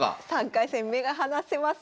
３回戦目が離せません。